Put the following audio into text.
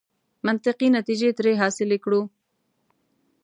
منطقي نتیجې ترې حاصلې کړو.